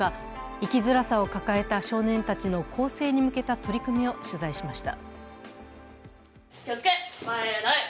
生きづらさを抱えた少年たちの更生に向けた取り組みを取材しました。